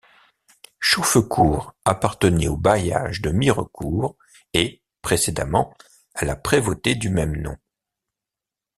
Chauffecourt appartenait au bailliage de Mirecourt et, précédemment, à la prévôté du même nom.